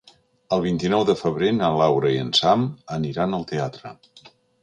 El vint-i-nou de febrer na Laura i en Sam aniran al teatre.